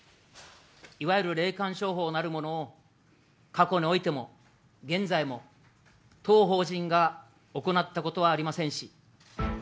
いわゆる霊感商法なるものを、過去においても現在も、当法人が行ったことはありませんし。